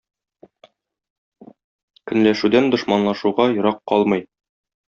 Көнләшүдән дошманлашуга ерак калмый.